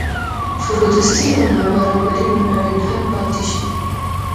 فرودستي او نابرابري به لاینحل پاتې شي.